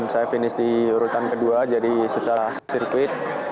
saya finish di urutan kedua jadi secara sirkuit